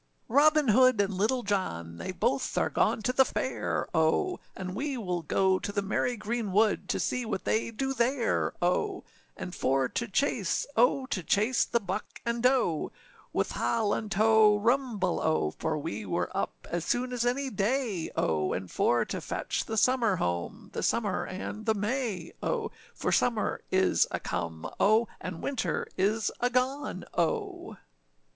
â] ROBIN HOOD and Little John, They both are gone to the fair, O! And we will go to the merry green wood, To see what they do there, O! And for to chase, O! To chase the buck and doe. With ha lan tow, rumble, O! For we were up as soon as any day, O! And for to fetch the summer home, The summer and the may, O! For summer is a come, O! And winter is a gone, O!